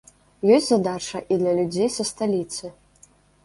Ёсць задача і для людзей са сталіцы.